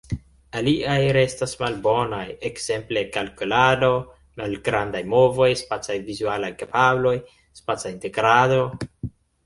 Aliaj restas malbonaj, ekzemple kalkulado, malgrandaj movoj, spacaj-vizualaj kapabloj, spaca integrado.